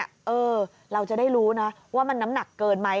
เออเราจะได้รู้นะว่ามันน้ำหนักเกินไหม